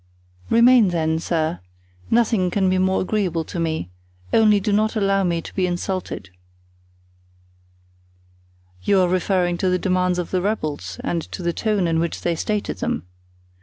"Remain, then, sir; nothing can be more agreeable to me; only do not allow me to be insulted." "You are referring to the demands of the rebels and to the tone in which they stated them?